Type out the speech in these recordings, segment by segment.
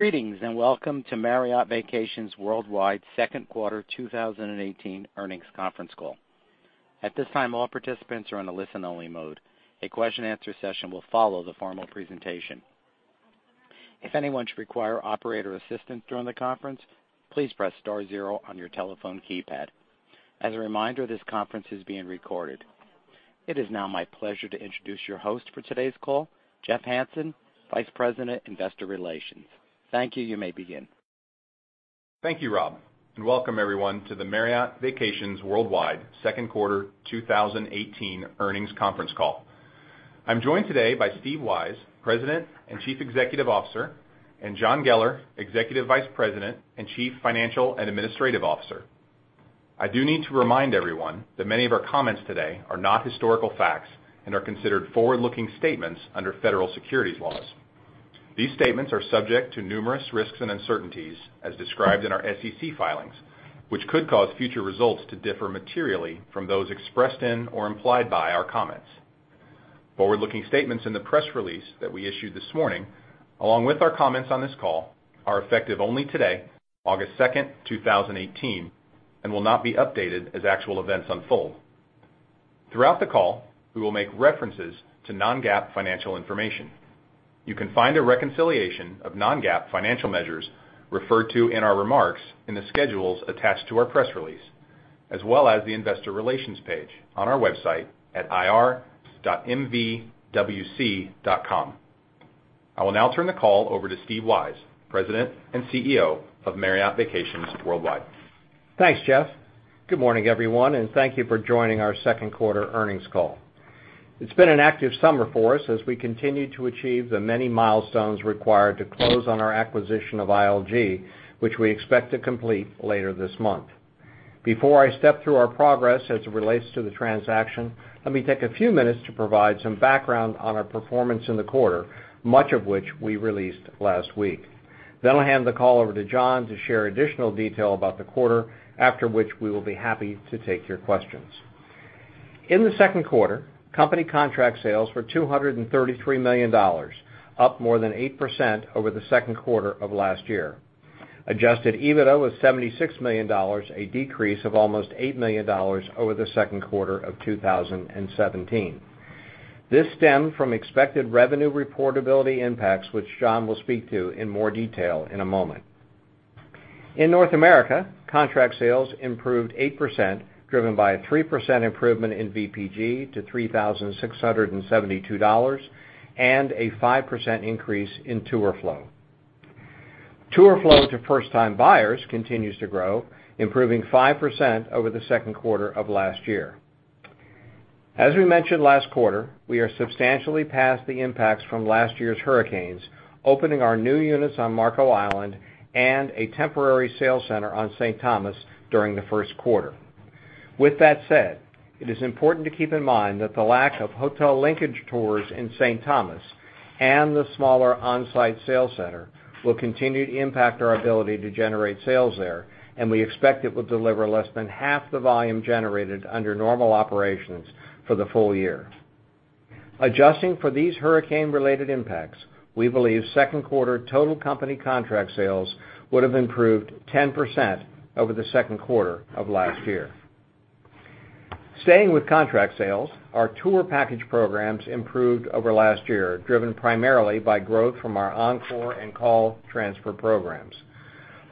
Greetings. Welcome to Marriott Vacations Worldwide second quarter 2018 earnings conference call. At this time, all participants are on a listen-only mode. A question-answer session will follow the formal presentation. If anyone should require operator assistance during the conference, please press star zero on your telephone keypad. As a reminder, this conference is being recorded. It is now my pleasure to introduce your host for today's call, Jeff Hansen, Vice President, Investor Relations. Thank you. You may begin. Thank you, Rob. Welcome everyone to the Marriott Vacations Worldwide second quarter 2018 earnings conference call. I'm joined today by Steve Weisz, President and Chief Executive Officer, and John Geller, Executive Vice President and Chief Financial and Administrative Officer. I do need to remind everyone that many of our comments today are not historical facts and are considered forward-looking statements under federal securities laws. These statements are subject to numerous risks and uncertainties as described in our SEC filings, which could cause future results to differ materially from those expressed in or implied by our comments. Forward-looking statements in the press release that we issued this morning, along with our comments on this call, are effective only today, August 2nd, 2018, and will not be updated as actual events unfold. Throughout the call, we will make references to non-GAAP financial information. You can find a reconciliation of non-GAAP financial measures referred to in our remarks in the schedules attached to our press release, as well as the investor relations page on our website at ir.mvwc.com. I will now turn the call over to Steve Weisz, President and CEO of Marriott Vacations Worldwide. Thanks, Jeff. Good morning, everyone. Thank you for joining our second quarter earnings call. It's been an active summer for us as we continue to achieve the many milestones required to close on our acquisition of ILG, which we expect to complete later this month. Before I step through our progress as it relates to the transaction, let me take a few minutes to provide some background on our performance in the quarter, much of which we released last week. I'll hand the call over to John to share additional detail about the quarter, after which we will be happy to take your questions. In the second quarter, company contract sales were $233 million, up more than 8% over the second quarter of last year. Adjusted EBITDA was $76 million, a decrease of almost $8 million over the second quarter of 2017. This stemmed from expected revenue reportability impacts, which John will speak to in more detail in a moment. In North America, contract sales improved 8%, driven by a 3% improvement in VPG to $3,672 and a 5% increase in tour flow. Tour flow to first-time buyers continues to grow, improving 5% over the second quarter of last year. As we mentioned last quarter, we are substantially past the impacts from last year's hurricanes, opening our new units on Marco Island and a temporary sales center on St. Thomas during the first quarter. With that said, it is important to keep in mind that the lack of hotel linkage tours in St. Thomas and the smaller on-site sales center will continue to impact our ability to generate sales there, and we expect it will deliver less than half the volume generated under normal operations for the full year. Adjusting for these hurricane-related impacts, we believe second quarter total company contract sales would have improved 10% over the second quarter of last year. Staying with contract sales, our tour package programs improved over last year, driven primarily by growth from our Encore and Call Transfer programs.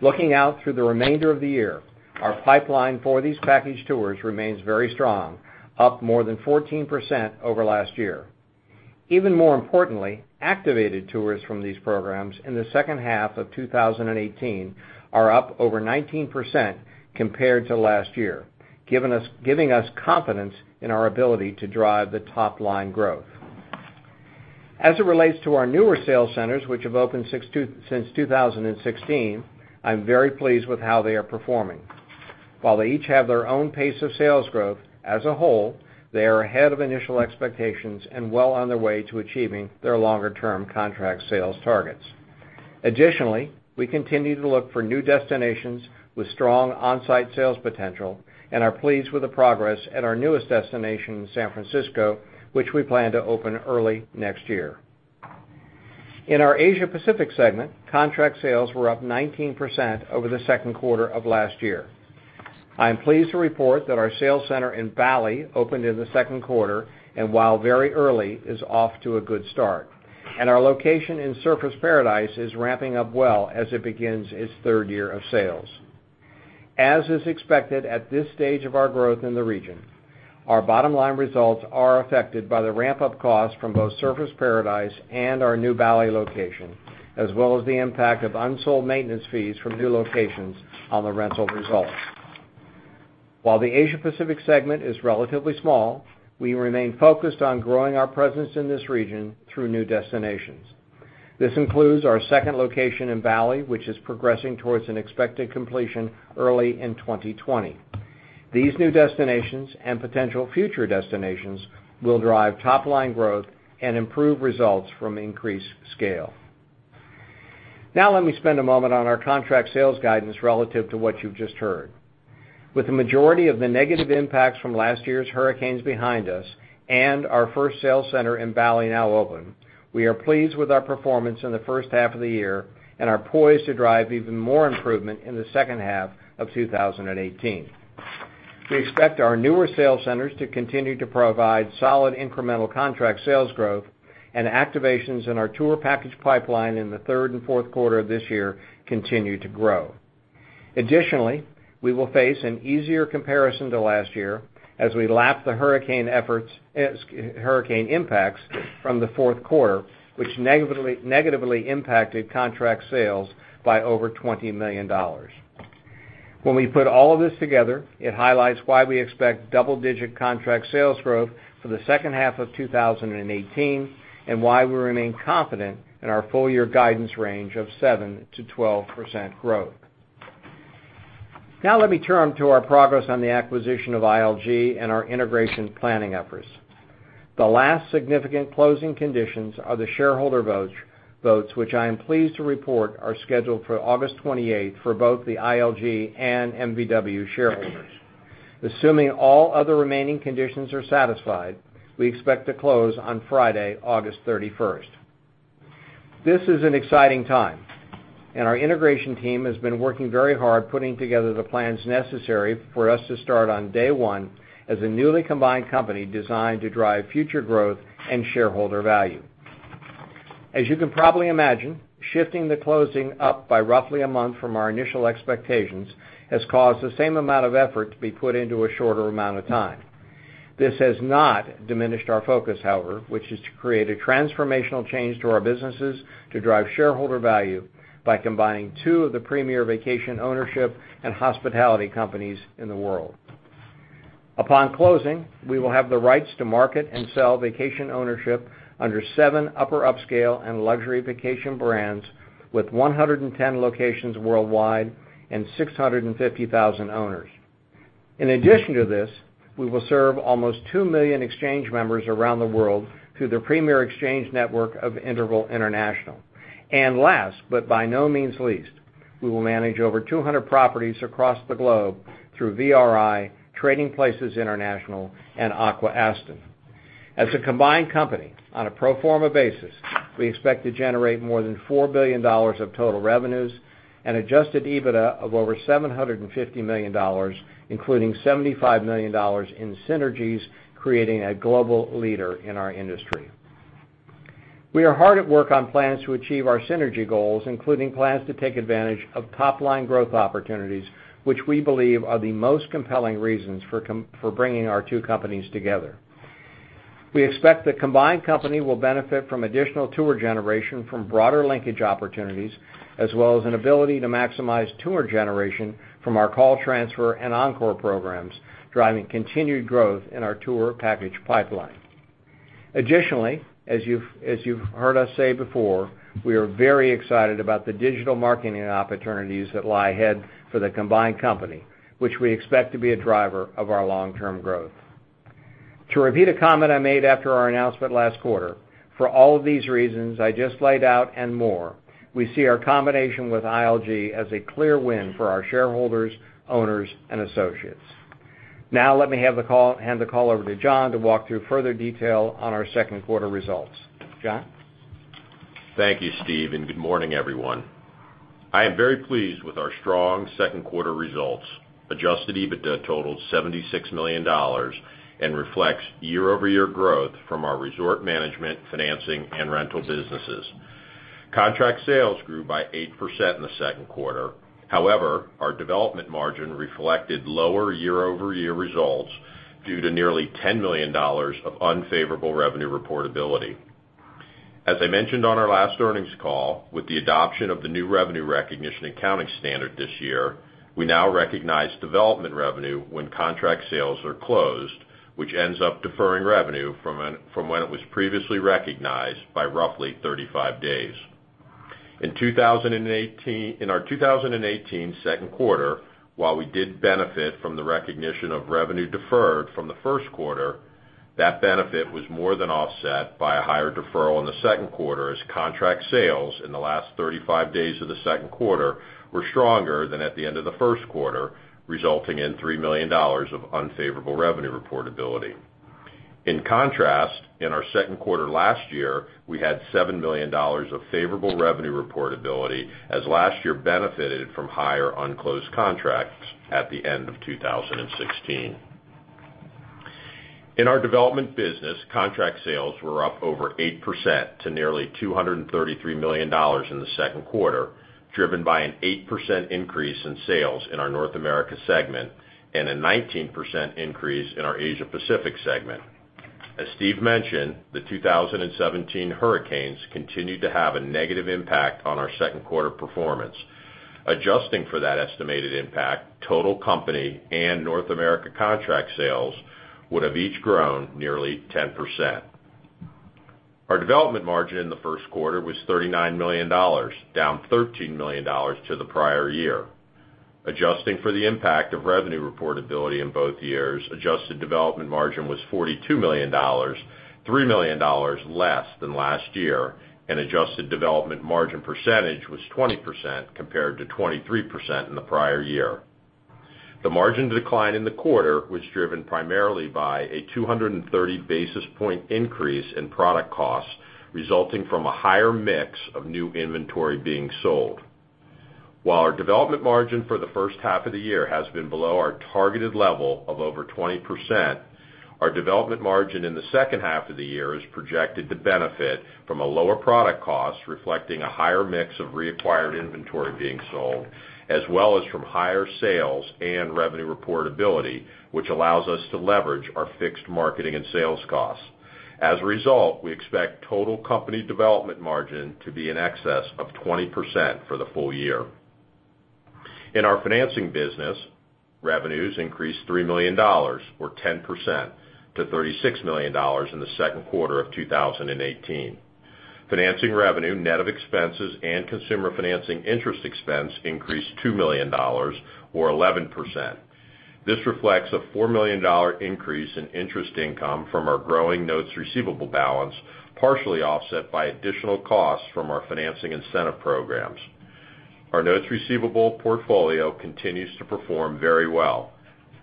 Looking out through the remainder of the year, our pipeline for these package tours remains very strong, up more than 14% over last year. Even more importantly, activated tours from these programs in the second half of 2018 are up over 19% compared to last year, giving us confidence in our ability to drive the top-line growth. As it relates to our newer sales centers, which have opened since 2016, I'm very pleased with how they are performing. While they each have their own pace of sales growth, as a whole, they are ahead of initial expectations and well on their way to achieving their longer-term contract sales targets. Additionally, we continue to look for new destinations with strong on-site sales potential and are pleased with the progress at our newest destination in San Francisco, which we plan to open early next year. In our Asia Pacific segment, contract sales were up 19% over the second quarter of last year. I am pleased to report that our sales center in Bali opened in the second quarter, and while very early, is off to a good start. Our location in Surfers Paradise is ramping up well as it begins its third year of sales. As is expected at this stage of our growth in the region, our bottom-line results are affected by the ramp-up costs from both Surfers Paradise and our new Bali location, as well as the impact of unsold maintenance fees from new locations on the rental results. While the Asia Pacific segment is relatively small, we remain focused on growing our presence in this region through new destinations. This includes our second location in Bali, which is progressing towards an expected completion early in 2020. These new destinations and potential future destinations will drive top-line growth and improve results from increased scale. Let me spend a moment on our contract sales guidance relative to what you've just heard. With the majority of the negative impacts from last year's hurricanes behind us and our first sales center in Bali now open, we are pleased with our performance in the first half of the year and are poised to drive even more improvement in the second half of 2018. We expect our newer sales centers to continue to provide solid incremental contract sales growth and activations in our tour package pipeline in the third and fourth quarter of this year continue to grow. Additionally, we will face an easier comparison to last year as we lap the hurricane impacts from the fourth quarter, which negatively impacted contract sales by over $20 million. When we put all of this together, it highlights why we expect double-digit contract sales growth for the second half of 2018, and why we remain confident in our full-year guidance range of 7% to 12% growth. Let me turn to our progress on the acquisition of ILG and our integration planning efforts. The last significant closing conditions are the shareholder votes, which I am pleased to report are scheduled for August 28th for both the ILG and MVW shareholders. Assuming all other remaining conditions are satisfied, we expect to close on Friday, August 31st. This is an exciting time. Our integration team has been working very hard putting together the plans necessary for us to start on day one as a newly combined company designed to drive future growth and shareholder value. As you can probably imagine, shifting the closing up by roughly a month from our initial expectations has caused the same amount of effort to be put into a shorter amount of time. This has not diminished our focus, however, which is to create a transformational change to our businesses to drive shareholder value by combining two of the premier vacation ownership and hospitality companies in the world. Upon closing, we will have the rights to market and sell vacation ownership under seven upper upscale and luxury vacation brands with 110 locations worldwide and 650,000 owners. In addition to this, we will serve almost two million exchange members around the world through the Premier Exchange network of Interval International. Last, but by no means least, we will manage over 200 properties across the globe through VRI, Trading Places International, and Aqua-Aston Hospitality. As a combined company, on a pro forma basis, we expect to generate more than $4 billion of total revenues and Adjusted EBITDA of over $750 million, including $75 million in synergies, creating a global leader in our industry. We are hard at work on plans to achieve our synergy goals, including plans to take advantage of top-line growth opportunities, which we believe are the most compelling reasons for bringing our two companies together. We expect the combined company will benefit from additional tour generation from broader linkage opportunities as well as an ability to maximize tour generation from our Call Transfer and Encore programs, driving continued growth in our tour package pipeline. Additionally, as you've heard us say before, we are very excited about the digital marketing opportunities that lie ahead for the combined company, which we expect to be a driver of our long-term growth. To repeat a comment I made after our announcement last quarter, for all of these reasons I just laid out and more, we see our combination with ILG as a clear win for our shareholders, owners, and associates. Now let me hand the call over to John to walk through further detail on our second quarter results. John? Thank you, Steve, and good morning, everyone. I am very pleased with our strong second quarter results. Adjusted EBITDA totaled $76 million and reflects year-over-year growth from our resort management, financing, and rental businesses. Contract sales grew by 8% in the second quarter. However, our development margin reflected lower year-over-year results due to nearly $10 million of unfavorable revenue reportability. As I mentioned on our last earnings call, with the adoption of the new revenue recognition accounting standard this year, we now recognize development revenue when contract sales are closed, which ends up deferring revenue from when it was previously recognized by roughly 35 days. In our 2018 second quarter, while we did benefit from the recognition of revenue deferred from the first quarter, that benefit was more than offset by a higher deferral in the second quarter as contract sales in the last 35 days of the second quarter were stronger than at the end of the first quarter, resulting in $3 million of unfavorable revenue reportability. In contrast, in our second quarter last year, we had $7 million of favorable revenue reportability, as last year benefited from higher unclosed contracts at the end of 2016. In our development business, contract sales were up over 8% to nearly $233 million in the second quarter, driven by an 8% increase in sales in our North America segment and a 19% increase in our Asia Pacific segment. As Steve mentioned, the 2017 hurricanes continued to have a negative impact on our second quarter performance. Adjusting for that estimated impact, total company and North America contract sales would have each grown nearly 10%. Our development margin in the first quarter was $39 million, down $13 million to the prior year. Adjusting for the impact of revenue reportability in both years, adjusted development margin was $42 million, $3 million less than last year, and adjusted development margin percentage was 20% compared to 23% in the prior year. The margin decline in the quarter was driven primarily by a 230 basis point increase in product costs, resulting from a higher mix of new inventory being sold. While our development margin for the first half of the year has been below our targeted level of over 20%, our development margin in the second half of the year is projected to benefit from a lower product cost, reflecting a higher mix of reacquired inventory being sold, as well as from higher sales and revenue reportability, which allows us to leverage our fixed marketing and sales costs. As a result, we expect total company development margin to be in excess of 20% for the full year. In our financing business, revenues increased $3 million, or 10%, to $36 million in the second quarter of 2018. Financing revenue, net of expenses and consumer financing interest expense increased $2 million, or 11%. This reflects a $4 million increase in interest income from our growing notes receivable balance, partially offset by additional costs from our financing incentive programs. Our notes receivable portfolio continues to perform very well.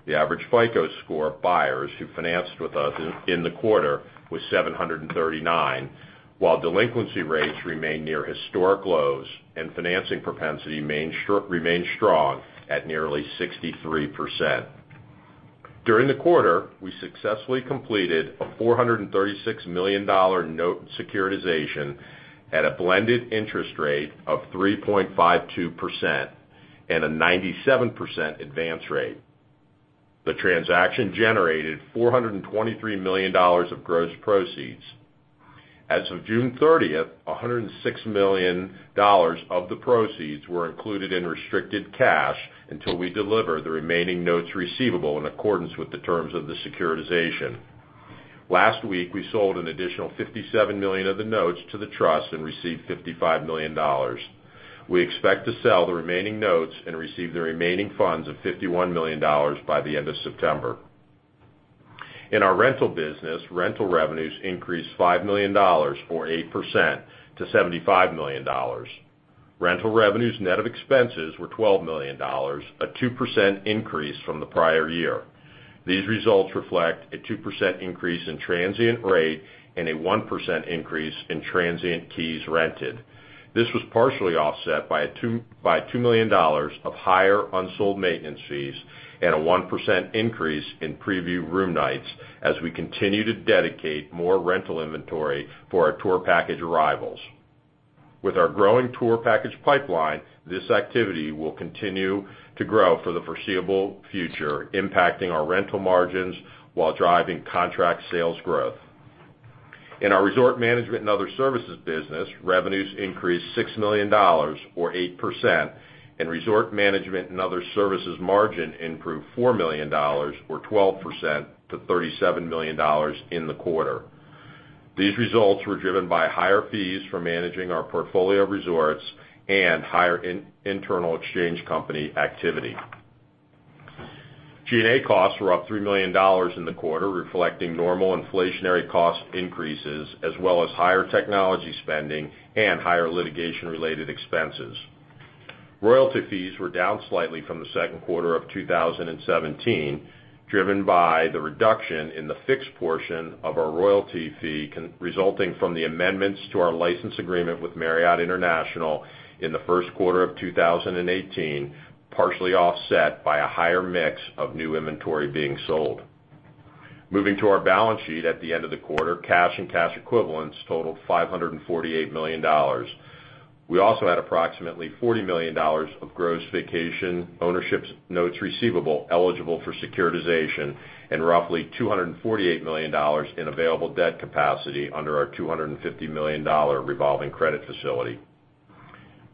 The average FICO score of buyers who financed with us in the quarter was 739, while delinquency rates remain near historic lows and financing propensity remains strong at nearly 63%. During the quarter, we successfully completed a $436 million note securitization at a blended interest rate of 3.52% and a 97% advance rate. The transaction generated $423 million of gross proceeds. As of June 30th, $106 million of the proceeds were included in restricted cash until we deliver the remaining notes receivable in accordance with the terms of the securitization. Last week, we sold an additional $57 million of the notes to the trust and received $55 million. We expect to sell the remaining notes and receive the remaining funds of $51 million by the end of September. In our rental business, rental revenues increased $5 million, or 8%, to $75 million. Rental revenues net of expenses were $12 million, a 2% increase from the prior year. These results reflect a 2% increase in transient rate and a 1% increase in transient keys rented. This was partially offset by $2 million of higher unsold maintenance fees and a 1% increase in preview room nights, as we continue to dedicate more rental inventory for our tour package arrivals. With our growing tour package pipeline, this activity will continue to grow for the foreseeable future, impacting our rental margins while driving contract sales growth. In our resort management and other services business, revenues increased $6 million, or 8%, and resort management and other services margin improved $4 million, or 12%, to $37 million in the quarter. These results were driven by higher fees for managing our portfolio of resorts and higher internal exchange company activity. G&A costs were up $3 million in the quarter, reflecting normal inflationary cost increases, as well as higher technology spending and higher litigation-related expenses. Royalty fees were down slightly from the second quarter of 2017, driven by the reduction in the fixed portion of our royalty fee resulting from the amendments to our license agreement with Marriott International in the first quarter of 2018, partially offset by a higher mix of new inventory being sold. Moving to our balance sheet at the end of the quarter, cash and cash equivalents totaled $548 million. We also had approximately $40 million of gross vacation ownership notes receivable eligible for securitization and roughly $248 million in available debt capacity under our $250 million revolving credit facility.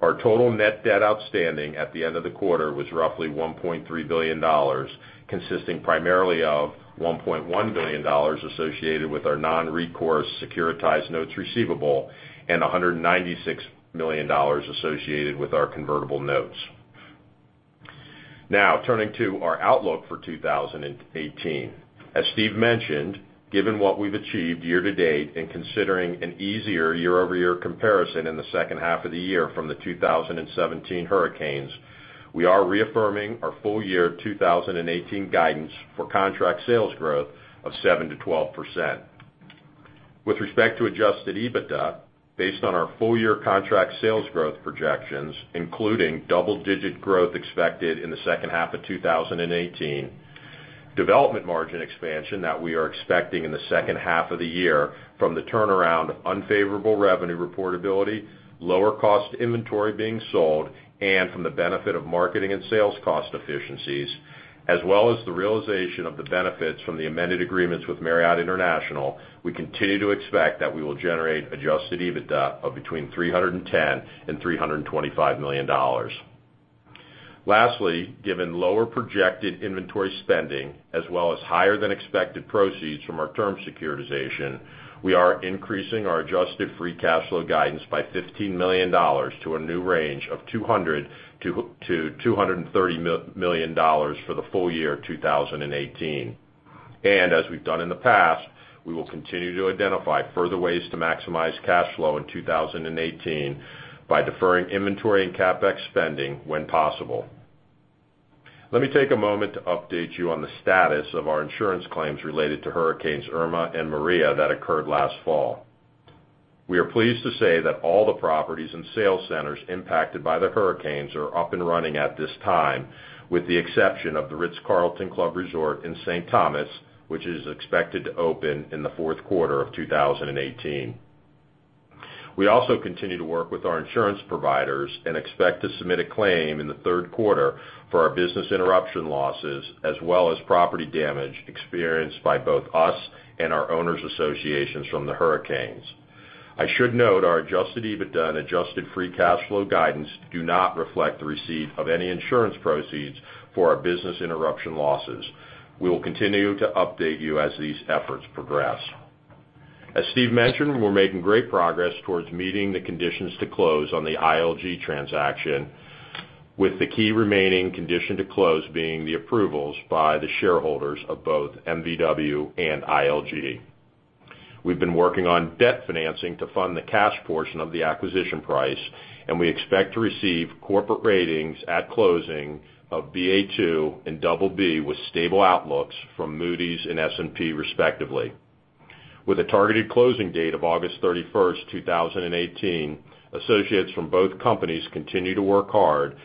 Our total net debt outstanding at the end of the quarter was roughly $1.3 billion, consisting primarily of $1.1 billion associated with our non-recourse securitized notes receivable and $196 million associated with our convertible notes. Turning to our outlook for 2018. As Steve mentioned, given what we've achieved year to date and considering an easier year-over-year comparison in the second half of the year from the 2017 hurricanes, we are reaffirming our full-year 2018 guidance for contract sales growth of 7%-12%. With respect to Adjusted EBITDA, based on our full-year contract sales growth projections, including double-digit growth expected in the second half of 2018, development margin expansion that we are expecting in the second half of the year from the turnaround of unfavorable revenue reportability, lower-cost inventory being sold, and from the benefit of marketing and sales cost efficiencies, as well as the realization of the benefits from the amended agreements with Marriott International, we continue to expect that we will generate Adjusted EBITDA of between $310 million and $325 million. Given lower projected inventory spending as well as higher-than-expected proceeds from our term securitization, we are increasing our adjusted free cash flow guidance by $15 million to a new range of $200 million-$230 million for the full year 2018. As we've done in the past, we will continue to identify further ways to maximize cash flow in 2018 by deferring inventory and CapEx spending when possible. Let me take a moment to update you on the status of our insurance claims related to Hurricane Irma and Hurricane Maria that occurred last fall. We are pleased to say that all the properties and sales centers impacted by the hurricanes are up and running at this time, with the exception of The Ritz-Carlton Club Resort in St. Thomas, which is expected to open in the fourth quarter of 2018. We also continue to work with our insurance providers and expect to submit a claim in the third quarter for our business interruption losses, as well as property damage experienced by both us and our owners associations from the hurricanes. I should note our Adjusted EBITDA and adjusted free cash flow guidance do not reflect the receipt of any insurance proceeds for our business interruption losses. We will continue to update you as these efforts progress. As Steve mentioned, we're making great progress towards meeting the conditions to close on the ILG transaction, with the key remaining condition to close being the approvals by the shareholders of both MVW and ILG. We've been working on debt financing to fund the cash portion of the acquisition price, and we expect to receive corporate ratings at closing of Ba2 and BB, with stable outlooks from Moody's and S&P, respectively. With a targeted closing date of August 31st, 2018, associates from both companies continue to work hard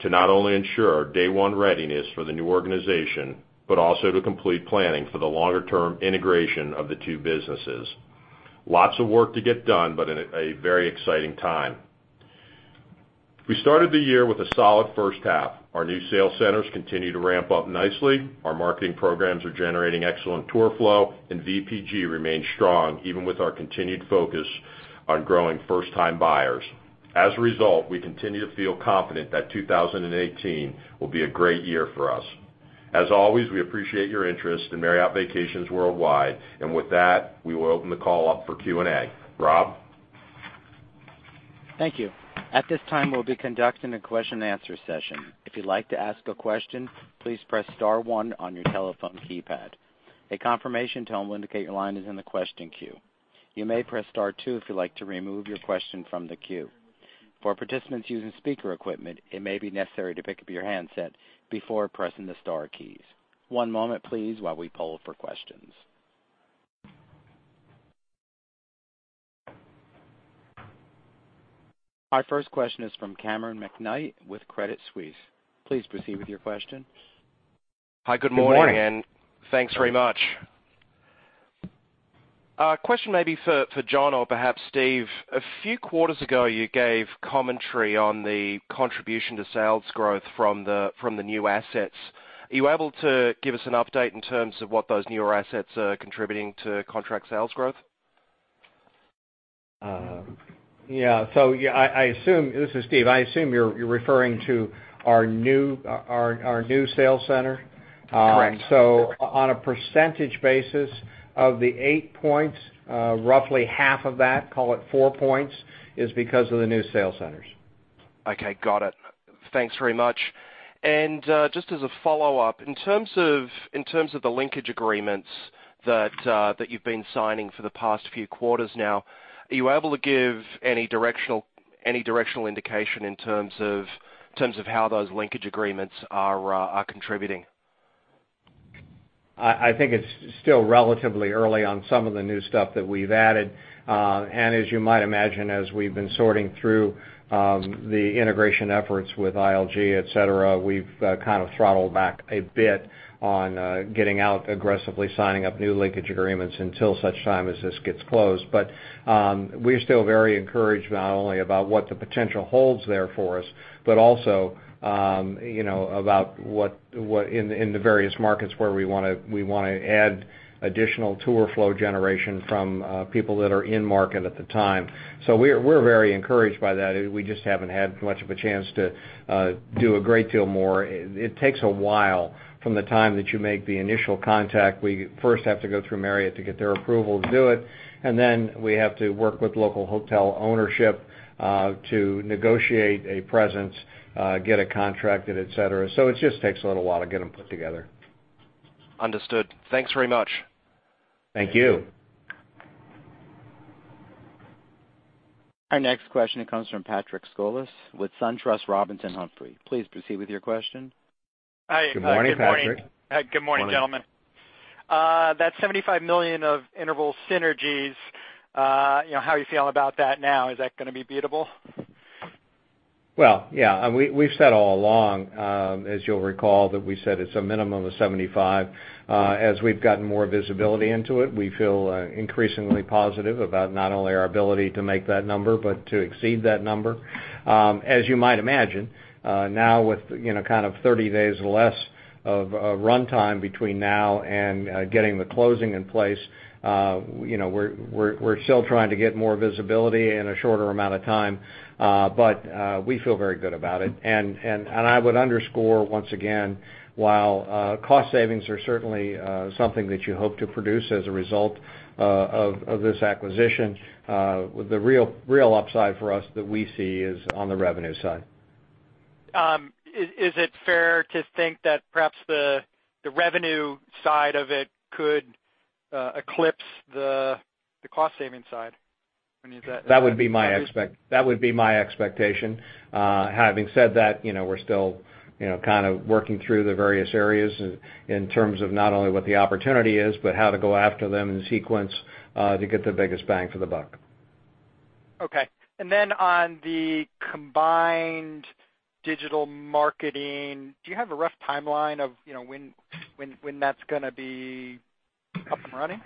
to not only ensure day one readiness for the new organization, but also to complete planning for the longer-term integration of the two businesses. Lots of work to get done, in a very exciting time. We started the year with a solid first half. Our new sales centers continue to ramp up nicely. Our marketing programs are generating excellent tour flow, VPG remains strong, even with our continued focus on growing first-time buyers. As a result, we continue to feel confident that 2018 will be a great year for us. As always, we appreciate your interest in Marriott Vacations Worldwide. With that, we will open the call up for Q&A. Rob? Thank you. At this time, we'll be conducting a question and answer session. If you'd like to ask a question, please press star one on your telephone keypad. A confirmation tone will indicate your line is in the question queue. You may press star two if you'd like to remove your question from the queue. For participants using speaker equipment, it may be necessary to pick up your handset before pressing the star keys. One moment, please, while we poll for questions. Our first question is from Cameron McKnight with Credit Suisse. Please proceed with your question. Hi. Good morning. Good morning. Thanks very much. A question maybe for John or perhaps Steve. A few quarters ago, you gave commentary on the contribution to sales growth from the new assets. Are you able to give us an update in terms of what those newer assets are contributing to contract sales growth? This is Steve. I assume you're referring to our new sales center? Correct. On a percentage basis of the eight points, roughly half of that, call it four points, is because of the new sales centers. Got it. Thanks very much. Just as a follow-up, in terms of the linkage agreements that you've been signing for the past few quarters now, are you able to give any directional indication in terms of how those linkage agreements are contributing? I think it's still relatively early on some of the new stuff that we've added. As you might imagine, as we've been sorting through the integration efforts with ILG, et cetera, we've kind of throttled back a bit on getting out aggressively signing up new linkage agreements until such time as this gets closed. We're still very encouraged, not only about what the potential holds there for us, but also about what in the various markets where we want to add additional tour flow generation from people that are in market at the time. We're very encouraged by that. We just haven't had much of a chance to do a great deal more. It takes a while from the time that you make the initial contact. We first have to go through Marriott to get their approval to do it, then we have to work with local hotel ownership to negotiate a presence, get it contracted, et cetera. It just takes a little while to get them put together. Understood. Thanks very much. Thank you. Our next question comes from Patrick Scholes with SunTrust Robinson Humphrey. Please proceed with your question. Hi. Good morning, Patrick. Good morning, gentlemen. That $75 million of Interval synergies, how are you feeling about that now? Is that going to be beatable? Well, yeah. We've said all along, as you'll recall, that we said it's a minimum of 75. As we've gotten more visibility into it, we feel increasingly positive about not only our ability to make that number, but to exceed that number. As you might imagine, now with kind of 30 days or less of runtime between now and getting the closing in place, we're still trying to get more visibility in a shorter amount of time. We feel very good about it. I would underscore once again, while cost savings are certainly something that you hope to produce as a result of this acquisition, the real upside for us that we see is on the revenue side. Is it fair to think that perhaps the revenue side of it could eclipse the cost-saving side? I mean, is that- That would be my expectation. Having said that, we're still kind of working through the various areas in terms of not only what the opportunity is, but how to go after them in sequence to get the biggest bang for the buck. Okay. On the combined digital marketing, do you have a rough timeline of when that's going to be up and running?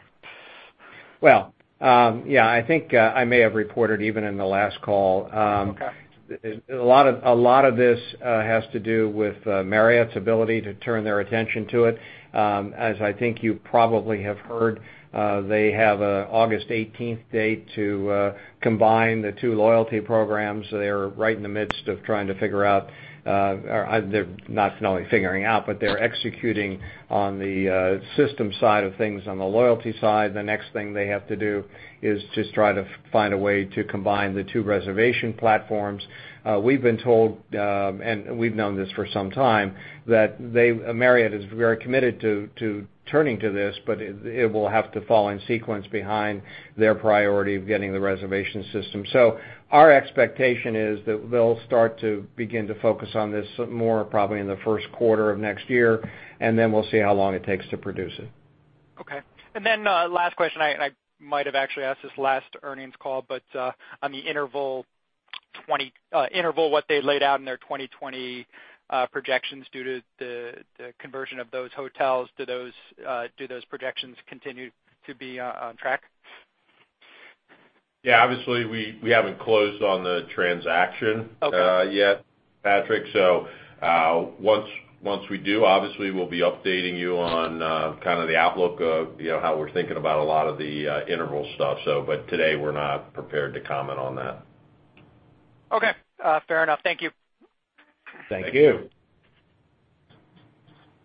Well, yeah. I think I may have reported even in the last call. Okay. A lot of this has to do with Marriott's ability to turn their attention to it. As I think you probably have heard, they have an August 18th date to combine the two loyalty programs, so they're right in the midst of trying to figure out. They're not only figuring out, but they're executing on the system side of things, on the loyalty side. The next thing they have to do is just try to find a way to combine the two reservation platforms. We've been told, and we've known this for some time, that Marriott is very committed to turning to this, but it will have to fall in sequence behind their priority of getting the reservation system. Our expectation is that they'll start to begin to focus on this more probably in the first quarter of next year, and then we'll see how long it takes to produce it. Okay. Last question, I might have actually asked this last earnings call, but on the Interval what they laid out in their 2020 projections due to the conversion of those hotels, do those projections continue to be on track? Yeah. Obviously, we haven't closed on the transaction. Okay yet, Patrick, once we do, obviously, we'll be updating you on kind of the outlook of how we're thinking about a lot of the Interval stuff. Today, we're not prepared to comment on that. Okay. Fair enough. Thank you. Thank you.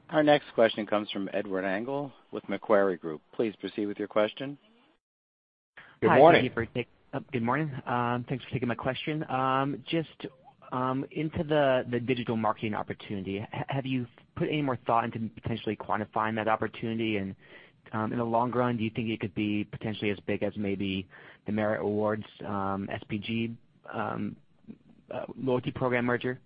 Our next question comes from Edward Engel with Macquarie Group. Please proceed with your question. Good morning. Hi, thank you for taking. Good morning. Thanks for taking my question. Just into the digital marketing opportunity, have you put any more thought into potentially quantifying that opportunity? In the long run, do you think it could be potentially as big as maybe the Marriott Rewards SPG loyalty program merger?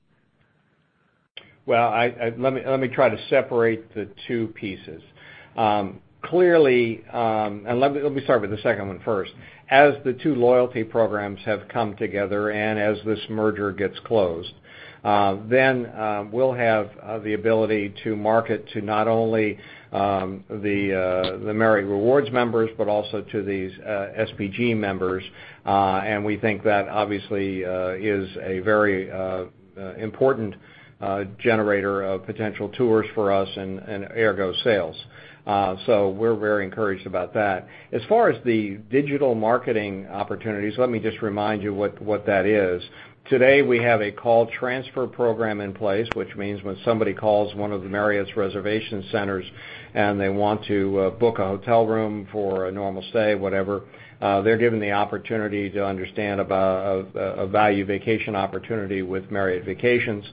Well, let me try to separate the two pieces. Clearly. Let me start with the second one first. As the two loyalty programs have come together as this merger gets closed, we'll have the ability to market to not only the Marriott Rewards members but also to these SPG members. We think that obviously is a very important generator of potential tours for us and ergo sales. We're very encouraged about that. As far as the digital marketing opportunities, let me just remind you what that is. Today, we have a Call Transfer program in place, which means when somebody calls one of Marriott's reservation centers and they want to book a hotel room for a normal stay, whatever, they're given the opportunity to understand a value vacation opportunity with Marriott Vacations,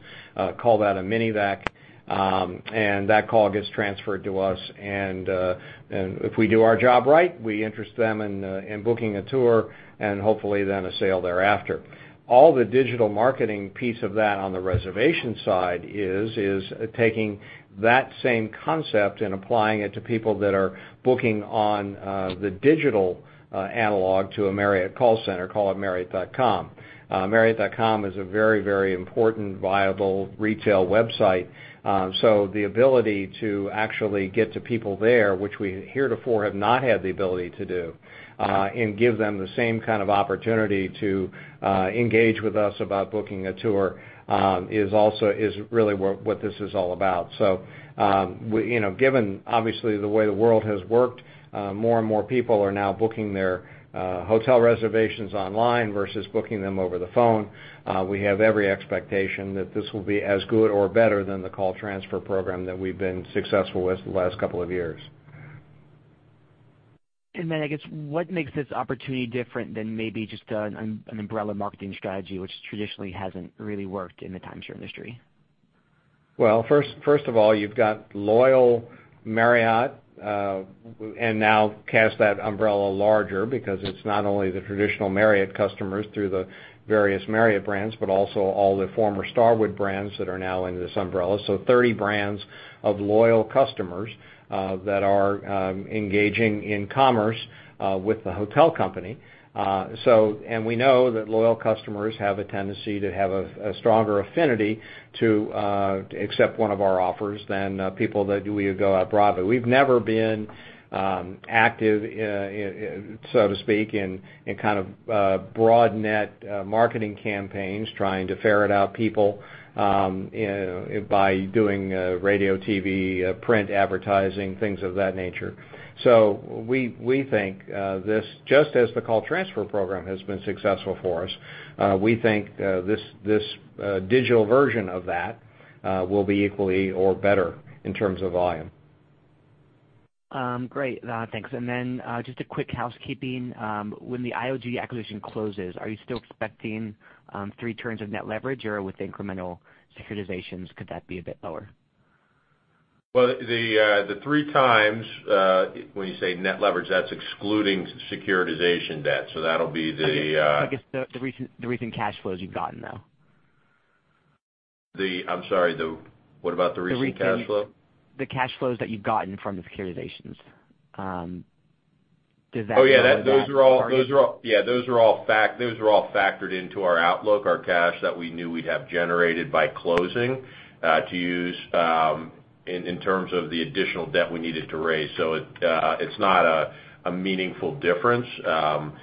call that a mini vac, and that call gets transferred to us. If we do our job right, we interest them in booking a tour and hopefully then a sale thereafter. The digital marketing piece of that on the reservation side is taking that same concept and applying it to people that are booking on the digital analog to a Marriott call center, call it marriott.com. marriott.com is a very, very important, viable retail website. The ability to actually get to people there, which we heretofore have not had the ability to do and give them the same kind of opportunity to engage with us about booking a tour is really what this is all about. Given obviously the way the world has worked, more and more people are now booking their hotel reservations online versus booking them over the phone. We have every expectation that this will be as good or better than the Call Transfer program that we've been successful with the last couple of years. I guess, what makes this opportunity different than maybe just an umbrella marketing strategy which traditionally hasn't really worked in the timeshare industry? Well, first of all, you've got loyal Marriott, and now cast that umbrella larger because it's not only the traditional Marriott customers through the various Marriott brands, but also all the former Starwood brands that are now under this umbrella. 30 brands of loyal customers that are engaging in commerce with the hotel company. We know that loyal customers have a tendency to have a stronger affinity to accept one of our offers than people that we go out broad. We've never been active, so to speak, in kind of broad net marketing campaigns trying to ferret out people by doing radio, TV, print advertising, things of that nature. We think this, just as the Call Transfer program has been successful for us, we think this digital version of that will be equally or better in terms of volume. Great. Thanks. Just a quick housekeeping. When the ILG acquisition closes, are you still expecting three turns of net leverage, or with incremental securitizations, could that be a bit lower? Well, the 3x, when you say net leverage, that's excluding securitization debt. I guess the recent cash flows you've gotten, though. I'm sorry, what about the recent cash flow? The cash flows that you've gotten from the securitizations. Does that roll into that already? Yeah. Those are all factored into our outlook, our cash that we knew we'd have generated by closing to use in terms of the additional debt we needed to raise. It's not a meaningful difference. On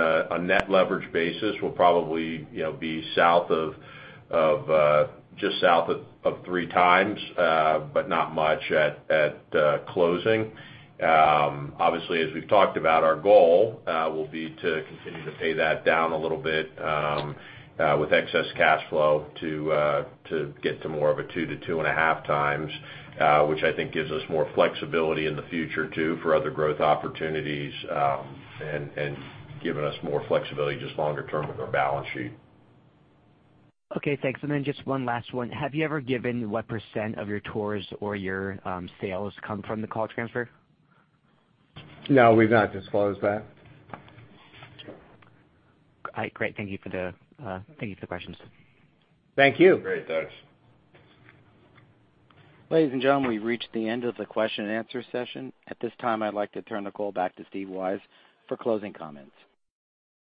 a net leverage basis, we'll probably be just south of 3 times, but not much at closing. Obviously, as we've talked about, our goal will be to continue to pay that down a little bit with excess cash flow to get to more of a 2 to 2.5 times, which I think gives us more flexibility in the future, too, for other growth opportunities, and giving us more flexibility just longer term with our balance sheet. Okay, thanks. Just one last one. Have you ever given what % of your tours or your sales come from the Call Transfer? No, we've not disclosed that. All right, great. Thank you for the questions. Thank you. Great, [guys]. Ladies and gentlemen, we've reached the end of the question and answer session. At this time, I'd like to turn the call back to Steve Weisz for closing comments.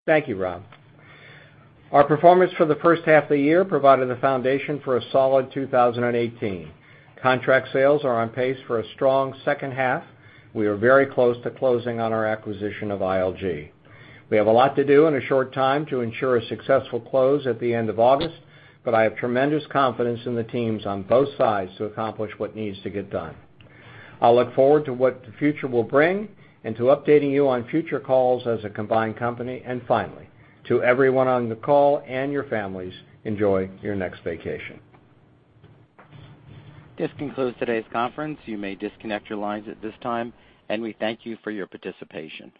Thank you, Rob. Our performance for the first half of the year provided a foundation for a solid 2018. Contract sales are on pace for a strong second half. We are very close to closing on our acquisition of ILG. We have a lot to do in a short time to ensure a successful close at the end of August, but I have tremendous confidence in the teams on both sides to accomplish what needs to get done. I'll look forward to what the future will bring and to updating you on future calls as a combined company. Finally, to everyone on the call and your families, enjoy your next vacation. This concludes today's conference. You may disconnect your lines at this time, and we thank you for your participation.